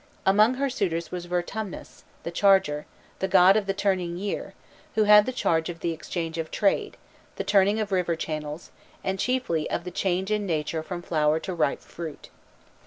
Among her suitors was Vertumnus ("the changer"), the god of the turning year, who had charge of the exchange of trade, the turning of river channels, and chiefly of the change in nature from flower to ripe fruit.